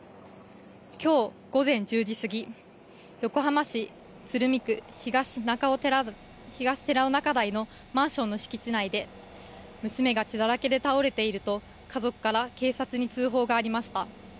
きょう午前１０時過ぎ、横浜市鶴見区東寺尾中台のマンションの敷地内で娘が血だらけで倒れていると家族から警察に通報がありました。